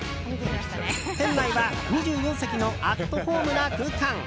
店内は２４席のアットホームな空間。